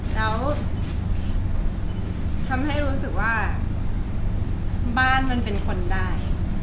แล้วทำให้รู้สึกว่าบ้านมันเป็นคนได้